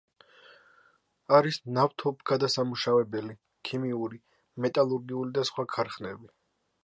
არის ნავთობგადასამუშავებელი, ქიმიური, მეტალურგიული და სხვა ქარხნები.